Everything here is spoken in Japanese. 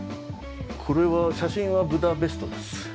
これは写真はブダペストです。